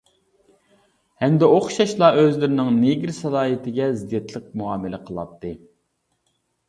ھەمدە ئوخشاشلا ئۆزلىرىنىڭ نېگىر سالاھىيىتىگە زىددىيەتلىك مۇئامىلە قىلاتتى.